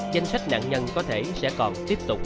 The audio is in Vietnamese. danh sách nạn nhân có thể sẽ còn tiếp tục